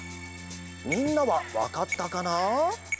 みんなはわかったかな？